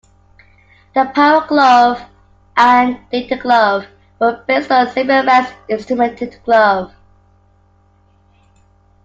The Power Glove and DataGlove were based on Zimmerman's instrumented glove.